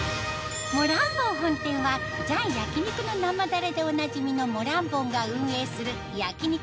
モランボン本店は「ジャン焼肉の生だれ」でおなじみのモランボンが運営する焼肉